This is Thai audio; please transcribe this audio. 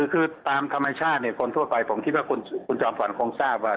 คือตามธรรมชาติคนทั่วไปผมคิดว่าคุณจอมฝันคงทราบว่า